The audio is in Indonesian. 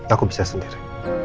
aku bisa sendiri